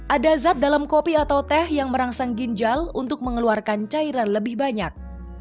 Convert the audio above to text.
ada zat dalam kopi atau teh yang merangsang ginjal untuk mengeluarkan cairan lebih banyak